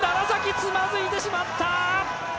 楢崎、つまずいてしまった！